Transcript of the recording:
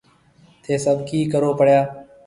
ٿَي سڀ ڪِي ڪرو پيڙيا؟